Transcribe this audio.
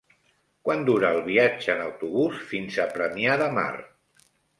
Quant dura el viatge en autobús fins a Premià de Mar?